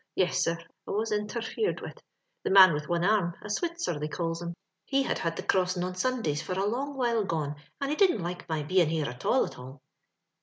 Yes, sir, I was intherfered wid. The man with one arm— a Switzer they calls him — he had had the crossin' on Sundays for a long while gone, and he didn't like my bein' here at all, at all.